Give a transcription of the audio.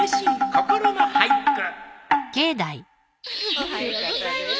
おはようございます。